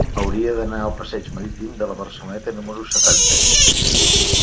Hauria d'anar al passeig Marítim de la Barceloneta número setanta.